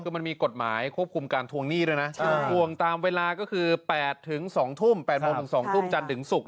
คือมันมีกฎหมายควบคุมการทวงหนี้ด้วยนะทวงตามเวลาก็คือ๘๒ทุ่ม๘โมงถึง๒ทุ่มจันทร์ถึงศุกร์